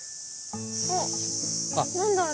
あっ何だ？